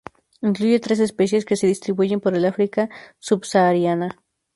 Incluye tres especies que se distribuyen por el África subsahariana.